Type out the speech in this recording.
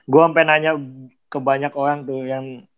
gue sampai nanya ke banyak orang tuh yang